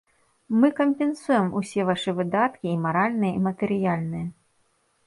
Мы кампенсуем усе вашы выдаткі і маральныя, і матэрыяльныя.